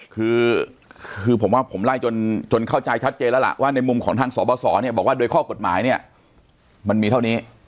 คือคือผมว่าผมไล่จนเข้าใจชัดเจนแล้วล่ะว่าในมุมของทางสบสเนี่ยบอกว่าโดยข้อกฎหมายเนี่ยมันมีเท่านี้